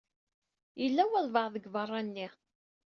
Yella walebɛaḍ deg beṛṛa-nni.